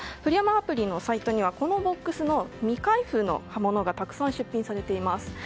アプリのサイトにはこのボックスの未開封のものがたくさん出品されています。